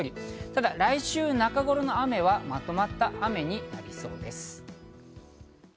ただ来週、中頃の雨はまとまった雨になりそうです。